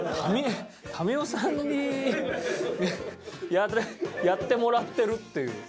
民生さんにやってもらってるっていう。